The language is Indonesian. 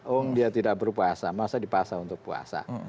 oh dia tidak berpuasa masa dipaksa untuk puasa